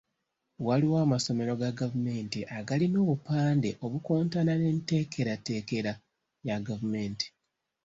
Waliwo amasomero ga gavumenti agalina obupande obukontana n’enteekerateekera ya gavumenti.